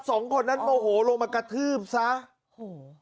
สองคนนั้นโมโหลงมากระทืบซะโอ้โห